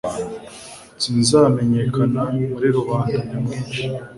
sinzamenyekana muri rubanda nyamwinshi